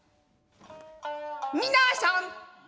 「皆さん！